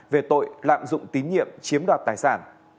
về tội lạm dụng tín nhiệm chiếm đoạt tài sản